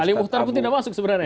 ali muhtar pun tidak masuk sebenarnya